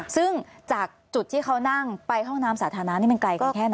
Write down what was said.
ซึ่งจากจุดที่เขานั่งไปห้องน้ำสาธารณะนี่มันไกลกันแค่ไหน